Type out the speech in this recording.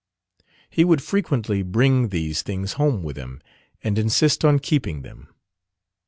He would frequently bring these things home with him and insist on keeping them.